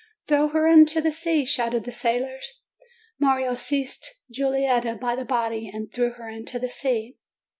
"Throw her into the sea!" shouted the sailors. Mario seized Giulietta by the body, and threw her into the sea.